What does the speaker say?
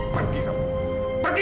pergi kamu pergi